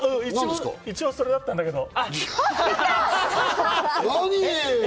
一応、それだったんだけど。